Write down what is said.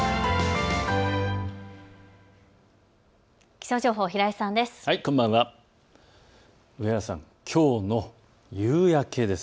気象情報、平井さんです。